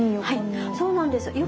はいそうなんです。